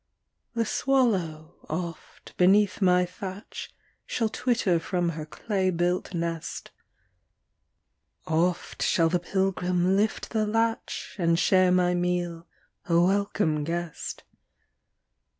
The swallow, oft, beneath my thatch, Shall twitter from her clay built nest; Oft shall the pilgrim lift the latch, And share my meal, a welcome guest.